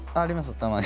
たまに。